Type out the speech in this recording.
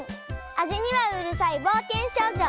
あじにはうるさいぼうけんしょうじょ